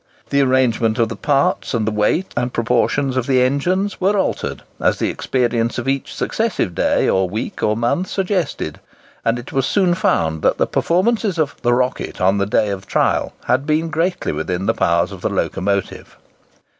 The arrangement of the parts, and the weight and proportions of the engines, were altered, as the experience of each successive day, or week, or month, suggested; and it was soon found that the performances of the "Rocket" on the day of trial had been greatly within the powers of the locomotive.